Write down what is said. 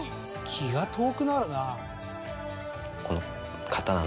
気が遠くなるな。